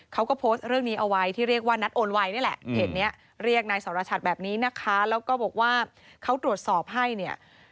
เขาก็โพสต์เรื่องนี้เอาไว้ที่เรียกว่านัดโอนไวนี่แหละเพจนี้เรียกนายสรชัดแบบนี้นะคะแล้วก็บอกว่าเขาตรวจสอบให้เนี่ย